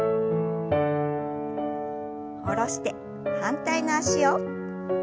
下ろして反対の脚を。